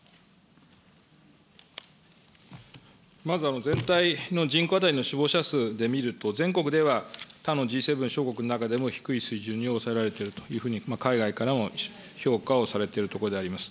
まず、全体の人口当たりの死亡者数で見ると、全国では他のＧ７諸国の中でも低い水準に抑えられているというふうに、海外からも評価をされているところであります。